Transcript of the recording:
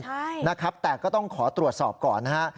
ใช่นะครับแต่ก็ต้องขอตรวจสอบก่อนนะฮะ